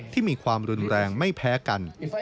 ที่มีความรุนแรงไม่แพ้กัน